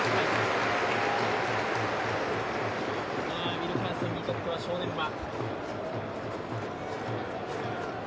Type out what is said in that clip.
ウィルカーソンにとっては正念場。